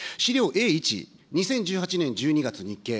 Ａ１、２０１８年１２月、日経。